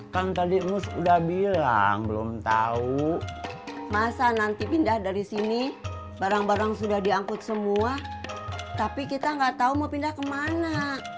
kalau tadi mus udah bilang belum tahu masa nanti pindah dari sini barang barang sudah diangkut semua tapi kita nggak tahu mau pindah kemana